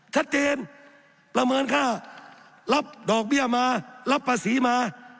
ประเมินค่ารับดอกเบี้ยมารับภาษีมา